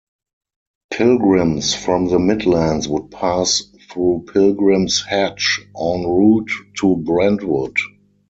Pilgrims from the Midlands would pass through Pilgrims Hatch en route to Brentwood.